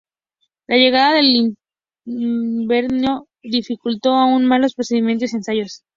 La llegada del invierno dificultó aún más los procedimientos y ensayos.